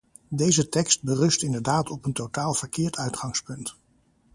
Deze tekst berust inderdaad op een totaal verkeerd uitgangspunt.